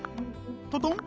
トトン。